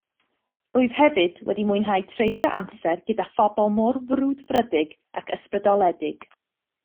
Rwyf hefyd wedi mwynhau treulio amser gyda phobl mor frwdfrydig ac ysbrydoledig